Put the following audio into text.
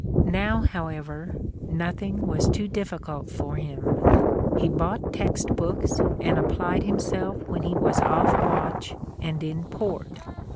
Now, however, nothing was too difScult for him. He bought text books and applied himself when he was off watch and in port.